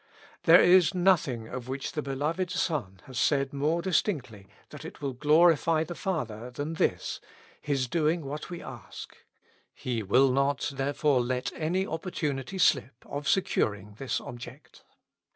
There is nothing of which the Beloved Son has said more distinctly that it will glorify the Father than this, His doing what we ask ; He will not, therefore, let any opportunity slip of securing this object.